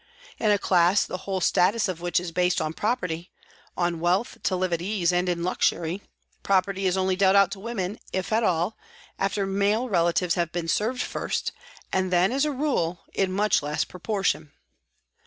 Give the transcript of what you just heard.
In a class the whole status of which is based on property, on wealth to live at ease and in luxury, property is only dealt out to women, if at all, after male relatives have been served first, and then, as a rule, in much less proportion.